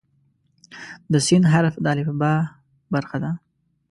د "س" حرف د الفبا برخه ده.